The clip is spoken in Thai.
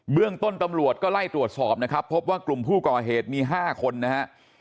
เรื่องต้นตำรวจก็ไล่ตรวจสอบนะครับพบว่ากลุ่มผู้ก่อเหตุมี๕คนนะฮะ